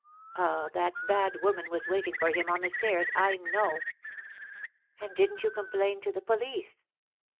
Ah, that bad woman was waiting for him on the stairs, I know!" "And didn't you complain to the police?"